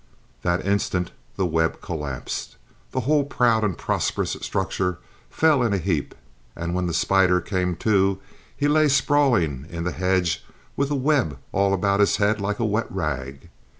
That instant the web collapsed, the whole proud and prosperous structure fell in a heap, and when the spider came to he lay sprawling in the hedge with the web all about his head like a wet rag.